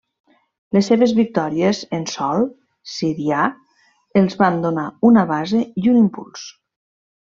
Les seves victòries en sòl sirià els van donar una base i un impuls.